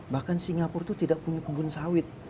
bahkan singapura itu tidak punya kebun sawit